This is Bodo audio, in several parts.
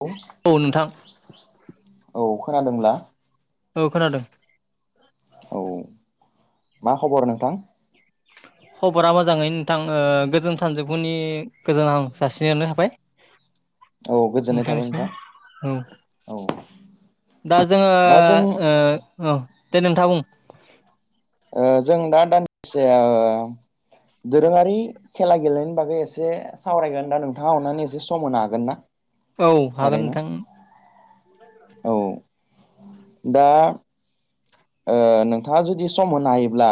लौ औ नोंथां औ खोनादोंब्ला? औ खोनादों। औ मा खबर नोंथां? खबरा मोजाङैनो नोंथां। ओ गोजोन सानजौफुनि गोजोन हाम जासिहनो हाबाय। औ गोजोननाय थाबाय नोंथांनिसिम नोंथां औ। औ दा जोङो दा जों ओ औ दे नोंथाङा बुं। ओ जोंदा दान्दिसे दोरोङारि खेला गेलेनायनि बागै एसे सावरायगोन दा नोंथाङा अननानै एसे सम होनो हागोन ना? औ हागोन थारैनो नोंथां। औ दा ओ नोंथाङा जुदि सम होनो हायोब्ला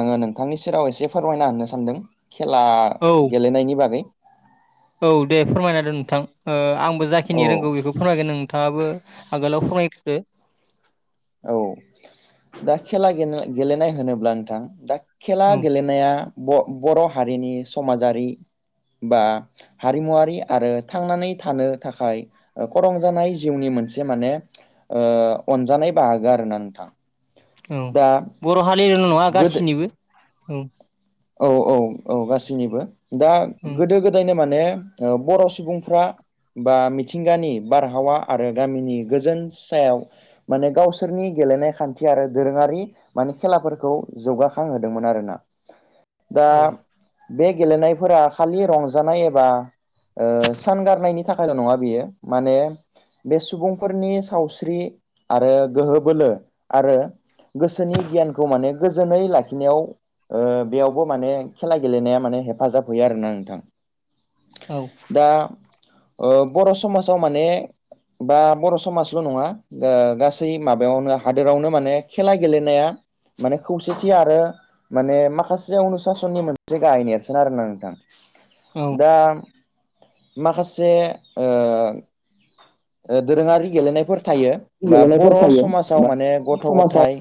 आङो नोंथांनि सेराव एसे फोरमायना होननो सानदों। खेला औ गेलेनायनि बागै औ दे फोरमायना होदो नोंथां ओ आंबो औ जाखिनि रोंगौ इखौ फोरमायगोन नोंथाङाबो आगोलाव फोरमायग्रोदो। औ दा खेला गेलेनाय होनोब्ला नोंथां दा, खेला औ गेलेनाया ब बर' हारिनि समाजारि बा, हारिमुवारि आरो थांनानै थानो थाखाय खरं जानाय जिउनि मोनसे माने अनजानाय बाहागो आरो ना नोंथा औ बर' हारिल' नङा गोदो गासिनिबो औ औ औ औ गासैनिबो दा गोदो औ गोदो गोदायनो माने ओ बर' सुबुंफ्रा बा मिथिंगानि बारहावा आरो गामिनि गोजोन सायाव माने गावसोरनि गेलेनाय खान्थि आरो दोरोङारि। माने खेलाफोरखौ जौगाखांहोदोंमोन आरोना? दा औ बे गेलेनायफोरा खालि रंजानाय एबा, ओ सान गारनायनि थाखायल' नङा बियो माने, बे सुबुंफोरनि सावस्रि आरो गोहो बोलो आरो गोसोनि गियानखौ माने गोजोनै लाखिनायाव ओ बेयाव, बो माने खेला गेलेनाया माने हेफाजाब होयो आरोना नोंथां। औ दा ओ बर' समाजाव माने बा बर' समाजल' नङा। ओ गासै माबायावनो हादोरावनो माने खेला गेलेनाया, माने खौसेथि आरो माने माखास सियावनो सासेननि मोनसे गाहाय नेरसोन आरो ना नोंथां औ दा, माखासे ओ दोरोङारि गेलेनायफोर थायो बा गेलेनायफोर बर' थायो समाजाव बा माने गथ' समाजाव गथाय,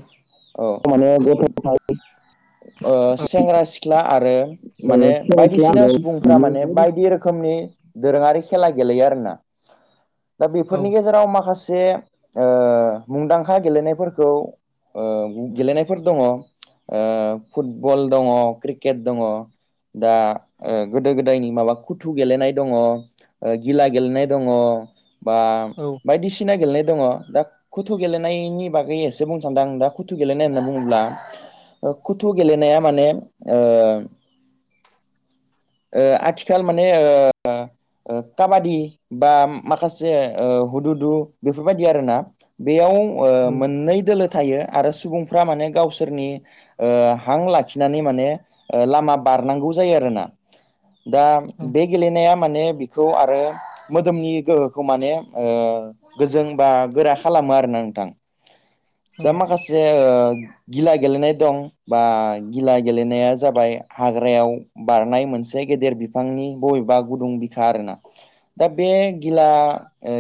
औ माने ग'थ गथाय। ओ सेंग्रा सिख्ला आरो माने बायदिसिना सुबुंफोरा माने बायदिसिना बायदि रोखोमनि दोरोङारि खेला गेलेयो आरोना? दा बेफोरनि गेजेराव माखासे, ओ मुंदांखा गेलेनायफोरखौ ओ गेलेनायफोर दङ। ओ फुटबल दङ क्रिकेट दङ। दा गोदो गोदायनि माबा खुथु गेलेनाय दङ। गिला गेलेनाय दङ बा। औ बायदिसिना गेलेनाय दङ दा। कुथु गेलेनायनि बागै एसे बुंनो सान्दों आं दा कुथु गेलेनाय होनना बुङोब्ला कुथु, गेलेनाया माने ओ ओ आथिखाल माने ओ, ओ काबादि बा माखासे ओ हुदुदु बेफोरबायदि आरोना? बेयाव ओ मोननै दोलो थायो आरो सुबुंफ्रा माने गावसोरनि ओ हां लाखिनानै माने ओ लामा बारनांगौ जायो आरोना दा औ बे गेलेनाया माने बेखौ आरो मोदोमनि गोहोखौ माने ओ गोजों बा गोरा खालामो आरोना नोंथां। दा माखासे गिला गेलेनाय दं बा गिला गेलेनाया जाबाय हाग्रायाव बारनाय मोनसे गेदेर बिफांनि बबेबा गुदुं बिखा आरोना दा बे गिला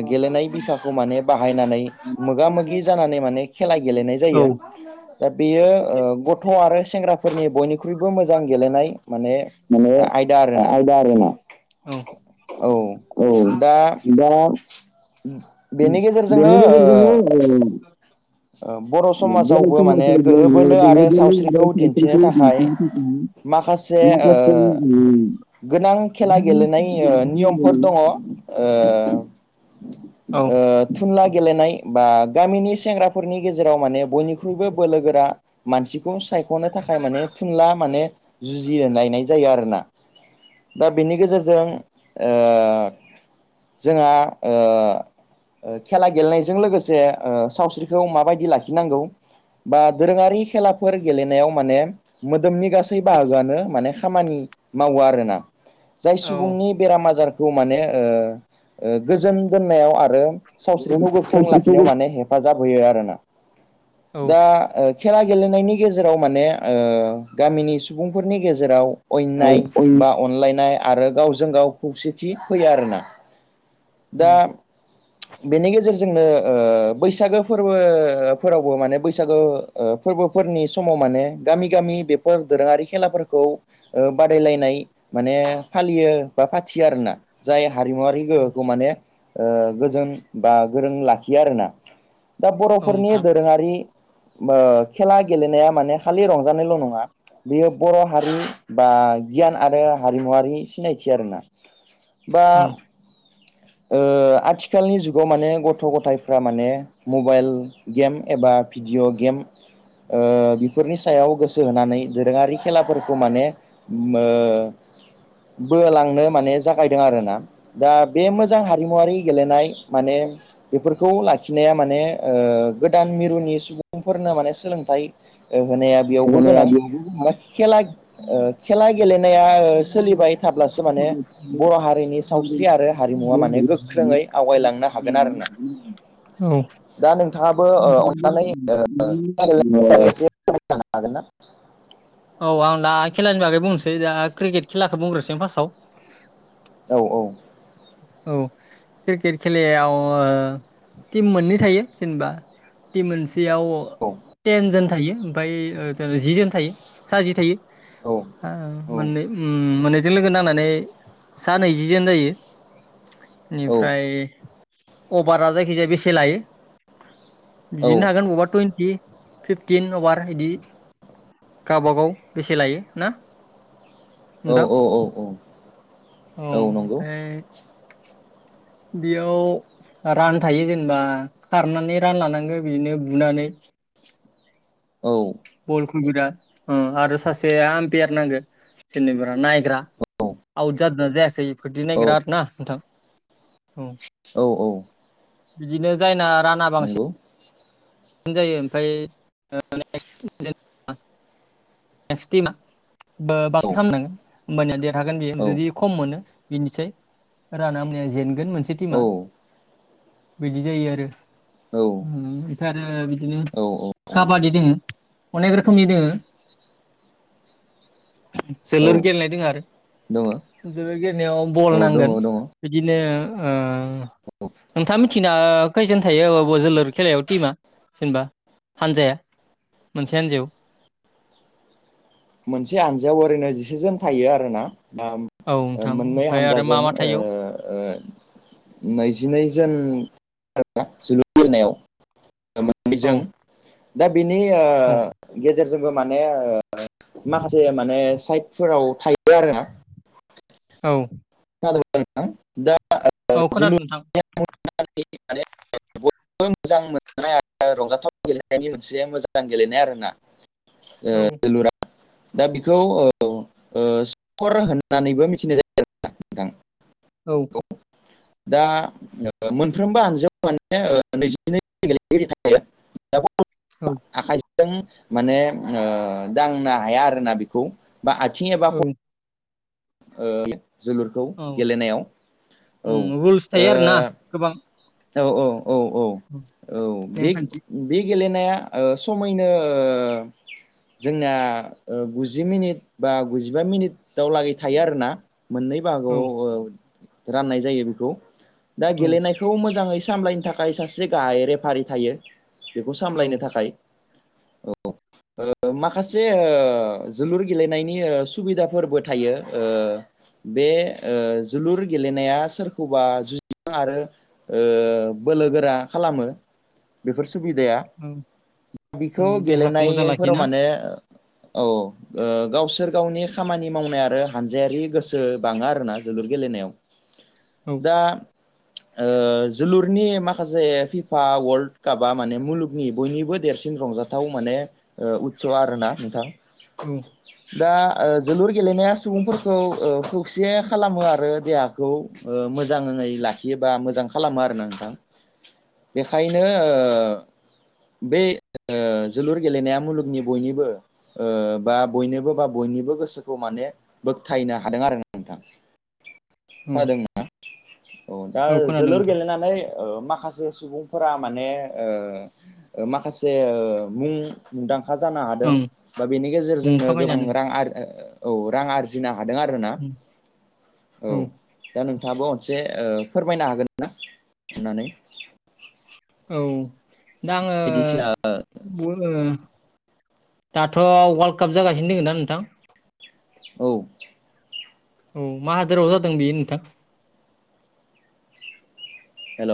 गेलेनाय बिखौ माने बाहायनानै मोगा मोगि जानानै माने खेला गेलेनाय औ जायो दा बेयो ग गथ' आरो सेंग्राफोरनि बयनिख्रुइबो मोजां गेलेनाय माने माने आयदा आरोना आयदा आरो ना औ औ दा दा बेनि गेजेरजोंनो औ बर' समाजावबो माने जों गोहो गोरलै बोलो आरो गोरलै सावस्रिखौ आरो दिन्थिनो सावस्रिखौ थाखाय दिन्थिनो माखासे ओ थाखाय गोनां खेला गेलेनाय नियमफोर माखासे दङ ओ ओ थुनला गेलेनाय बा गामिनि सेंग्रा फोरनि गेजेराव माने बयनिख्रुइबो बोलो गोरा मानसिखौ सायख'नो थाखाय माने खुनला माने जुजियो गायनाय जायो आरोना दा बिनि गेजेरजों ओ जोंहा खेला गेलेनायजों लोगोसे सावस्रि खौ माबायदि लाखिनांगौ बा दोरोङारि खेलाफोर गेलेनायाव माने मोदोमनि गासै बाहागोआनो माने खामानि मावो आरोना जाय सुबुंनि बेराम आजारखौ माने ओ गोजोन दोननायाव आरो औ सावस्रिखौ गोख्रों सावस्रिखौ लाखिनायाव माने हेफाजाब होयो आरोना दा गोसारनायाव खेला गेलेनायनि गेजेराव माने ओ गामिनि सुबुंफोरनि गेजेराव नाय अन बा अनलायनाय आरो गावजों गाव खौसेथि फैयो आरोना दा बेनि गेजेरजोंनो ओ बैसागो फोरबो फोरावबो माने बैसागो ओ फोरबोफोरनि समाव माने गामि गामि बे फोर दोरोङारि खेलाफोरखौ ओ बादायलायनाय माने फालियो बा फाथियो आरोना जाय हारिमुवरारि गोहोखौ माने ओ गोजोन बा गोरों लाखियो आरोना दा औ बर'फोरनि नोंथां दोरोङारि खेला गेलेनाया माने खालि रंजानायल' नङा बेयो बर' हारि बा गियान आरो हारिमुवारि सिनायथि आरोना बा औ आथिखालनि जुगाव माने गथ' गथाइफ्रा माने मबाइल गेम एबा भिडिअ' गेम ओ बेफोरनि सायाव गोसो होनानै दोरोङारि खेलाफोरखौ माने ओ बोलांनो माने जागायदों आरोना दा बे मोजां हारिमुवारि गेलेनाय माने बेफोरखौ लाखिनाया ओ माने गोदान मिरुनि सुबुंफोरनो माने सोलोंथाइ होनाया बेयावबो होनाया गोनां बेयावबो जोंहा बा खेला खेला गेलेनाया सोलिबाय थाब्लासो माने बर' हारिनि औ सावस्रि आरो हारिमुवा माने गोख्रोङै आवगायलांनो हागोन आरोोना औ दा नोंथाङाबो अननानै एसे जानो हागोन ना औ आं द खेलानि बागै बुंनोसै दा क्रिकेट खेलाखौ बुंसै फार्स्टआव औ औ औ क्रिकेट खेलायाव टिम मोननै थायो जेनेबा सुटि मोनसेयाव टेन जोन थायो ओमफ्राय जि जोन थायो सा जि थायो औ मोननै मोननैजों लोगो नांनानै सा नैजि ज जायो औ इनिफ्राय अभारा जायखिजाया बेसे लायो औ बिदिनो हागोन अबा टुवेन्टि फिफटिन अवार बिदि गावबागाव बेसे लायो ना नोंथां औ औ औ ओमफ्राय बेयाव रान थायो जेनेबा खारनानै रान लानांगो बिदिनो बुनानै औ बलखौ बिराद आरो सासे आमपियार नांगो जेनेबा नायग्रा आउट जादों जायाखैफोरदि नायगोन औ आरोना नोंथां औ औ औ बिदिनो जायना राना बांसिन नंगौ जायो ओमफ्राय [unintelligible] ने मा [unintelligible] ओ बास औ खाम नों होमबानिया देरहागोन बे औ जुदि खम मोनो बेनिसै रानामिया जेनगोन मोनसे टिमा बिदि जायो आरो औ उम ओमफ्राय आरो बिदिनो औ काबादि दोङो अनेक रोखोमनि दोङो जोलुर औ गेलेनाय दं आरो दङ जोलुर गेलेनायाव बल औ दङ नांगोन दङ बिदिनो ओ नोंथाङा मिथिना खैजोन थायो अब जोलुर खेलायाव टिमा जेनेबा हानजाया मोनसे हान्जायाव मोनसे हानजायाव ओरैनो जिसेजोन थायो आरो ना उम औ नोंथां मोननै ओमफ्राय आरो मा हानजाजों मा ओ थायो ओ नैजिनैजोन जोलुरनायाव औ मोनैजों दा बिनि ओ औ गेजेरजोंबो माने माखासे माने साइटफोराव थायो आरोा औ [unintelligible] औ खोनादों नोंथां बयबो मोजां मोननाय आरो रंजाथाव गेलेनायनि मोनसे मोजां गेलेनाय आरोना औ ज [unintelligible] दा बेखौ सर होननानैबो मिथिनाय जायो जां [unintelligible] औ दा मोनफ्रोमबो हानजायाव माने नैजिनै गेलेगिरि औ आखाइ [unintelligible] माने दांनो हाया आरोना बेखौ बा आथिं एबा औ जोलुरखौ औ गेलेनायाव उम औ रुल्स थायो आरोना गोबां औ औ औ औ औ बे नेमखान्थि बे गेलेनाया समैनो जोंना गुजि मिनिट बा गुजिबा मिनिट दावलागै थायो आरोना मोननै औ बाहागोआव राननाय जायो बेखौ दा औ गेलेनायखौ मोजाङै सामलायनो थाखाय सासे गाहाय रेफारि थायो बेखौ औ सामलायनो थाखाय [inaudible] ओ माखासे ओ जोलुर गेलेनायनिओ सुबिदाफोरबो थायो ओ बे जोलुर गेलेनाया सोरखौबा जुजिनो आरो ओ बोलो गोरा खालामो बेफोर सुबिदाया औ औ बिखौ देहाखौ मोजां गेलेनायफोराव लाखियोना माने औ गावसोर गावनि खामानि मावनाय आरो हानजायारि गोसो बाङो आरोना जोलुर गेलेनायाव औ दा जोलुरनि माखासे फिफा वर्ल्ड कापा माने मुलुगनि बयनिबो देरसिन रंजाफ गोथाव माने उत्स आरो ना नोंथां। औ। दा जोलुर गेलेनाया सुबुंफोरखौ खौसे खालामो आरो देहा बेखौ मोजाङै लाखियोबा मोजां खालामो आरोना नोंथां। बेखायनो ओ बे ओ जोलुर गेलेनाया मुलुगनि बयनिबो ओ बा बयनोबो बा बयनिबो गोसोखौ माने बोगथायनो हादों आरो नोंथां। खोनादों [inaudible] औ दा औ खोनादों जोलुर नोंथां गेलेनानै ओ माखासे सुबुंफोरा माने ओ माखासे ओ मुं मुंदांखा जानो हादों ओं बा बेनि मुं गेजेरजोंनो गोबां खामायनो रां औ रां आरजि गिनो हादों आरो ना हादों औ दा नोंथाङाबो मोनसे ओ-' फोरमायनो हागोन ना होननानै औ दा आङो बायदिसिना [unintelligible] दाथ' वाल्ड काप जागासिनो दोङो ना नोंथां? औ। औ मा हादोराव जादों बेयो नोंथां? हेल?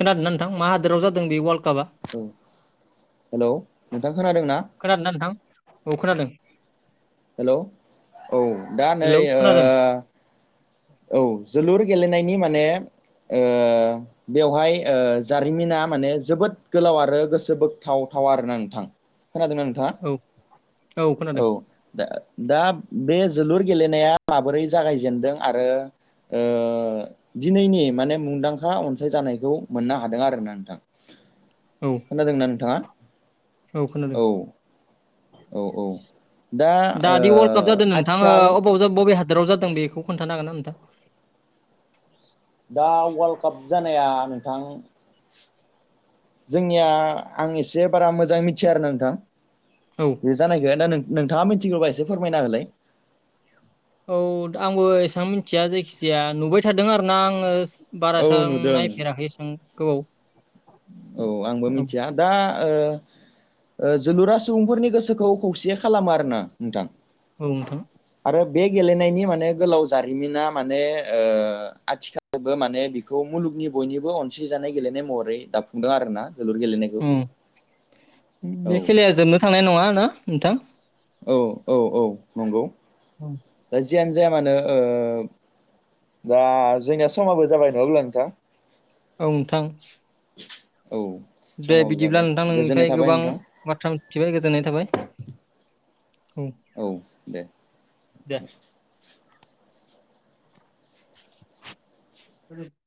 खोनादों ना नोंथां मा हादोराव जादों बे वारल्ड कापा? औ हेलौ नोंथां खोनादों ना? खोनादों ना नोंथां? औ खोनादों। हेल' औ दा नै हेलौ ओ खोनादों औ जोलुर गेलेनायनि माने ओ बेवहाय ओ जारिमिना माने जोबोद गोलाव आरो गोसो बोगथावथाव आरोना नोंथां। खोनादोंना नोंथाङा? औ औ। दा दा बे जोलुर गेलेनाया माबोरै जागायजेेनदों आरो ओ दिनैनि माने मुंदांखा अनसाय जानायखौ मोननो हादों आरोना नोंथां। औ। खोनादों ना नोंथाङा? औ खोनादों। औ औ दा दि वर्ल्ड काप जादों नोंथां ओ आथिखाल अबाव जाब बबे हादोराव जादों बेखौ खोनथानो हागोन ना नोंथां? दा वार्ल्द काप जानाया नोंथां जोंनिया आं एसे बारा मोजाङै मिनथिया आरोना नोंथां। औ। बे जानायखाय ना नों-नोंथाङा मिनथिगौबा एसे फोरमायना होलाय। औ आंबो एसां मिन्थिया जायखिजाया नुबाय थादों आरोना आङो औ बारास आं नुदों नायफेराखै एसेबां गोबाव औ आंबो औ मिनथिया दा ओ जोलुरा सुबुंफोरनि गोसोखौ खौसे खालामा आरो ना नोंथां। औ नोंथां आरो बे गेलेनायनि माने गोलाव जारिमिना माने ओ आथिखा बो माने बेखौ मुलुगनि बयनिबो अनसेजानाय गेलेनाय महरै दाफुंदों आरोना जोलुर गेलेनाय उम बे खेलाया जोबनो थांनाय नङा ना नोंथां? औ औ औ नंगौ। [inaudible] दा जियानो जाया मानो ओ दा जोंनिया समाबो जाबाय नङा ब्ला नोंथां? औ नोंथां। औ। दे समाबो बिदिब्ला जाबाय नोंथां गोजोननाय नोंनिफाय थाबाय गोबां नोंथां बाथ्रा मिथिबाय गोजोननाय थाबाय। औ दे। [unintelligible]